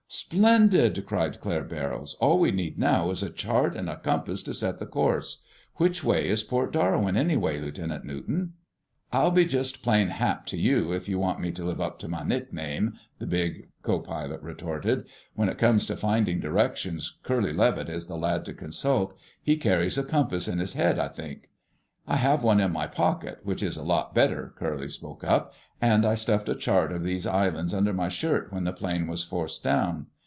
"Splendid!" cried Claire Barrows. "All we need now is a chart and a compass to set the course. Which way is Port Darwin, anyway, Lieutenant Newton?" "I'll be just plain 'Hap' to you, if you want me to live up to my nickname," the big co pilot retorted. "When it comes to finding directions, Curly Levitt is the lad to consult. He carries a compass in his head, I think!" "I have one in my pocket, which is a lot better," Curly spoke up. "And I stuffed a chart of these islands under my shirt when the plane was forced down.